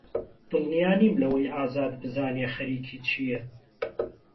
دڵنیا نیم لەوەی ئازاد بزانێت خەریکی چییە.